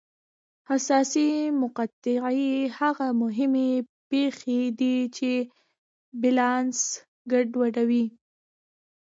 حساسې مقطعې هغه مهمې پېښې دي چې بیلانس ګډوډوي.